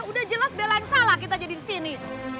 udah jelas bela yang salah kita jadi di sini